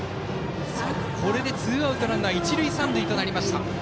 これで、ツーアウトランナー、一塁三塁となりました。